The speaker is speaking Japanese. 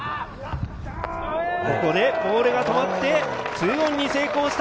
ここでボールが止まって、２オンに成功した！